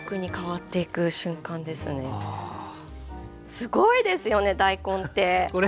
すごいですよね大根って。